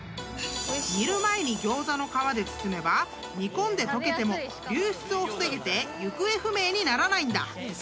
［煮る前にギョーザの皮で包めば煮込んで溶けても流出を防げて行方不明にならないんだ］